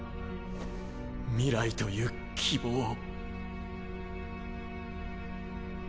未来という希望を。